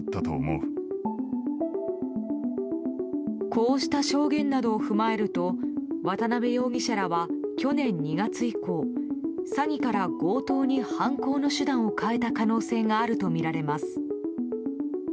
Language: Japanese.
こうした証言などを踏まえると渡辺容疑者らは去年２月以降詐欺から強盗に犯行の手段を変えた可能性があるとみられます。